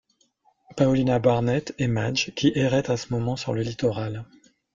Paulina Barnett, et Madge, qui erraient, à ce moment, sur le littoral.